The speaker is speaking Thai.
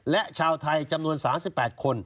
และชาวไทยจำนวน๓๘คน